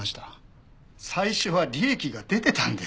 最初は利益が出てたんです。